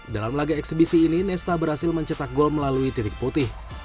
dalam laga eksebisi ini nesta berhasil mencetak gol melalui titik putih